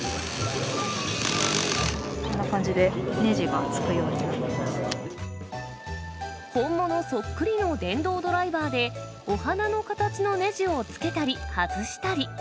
こんな感じで、本物そっくりの電動ドライバーで、お花の形のねじをつけたり外したり。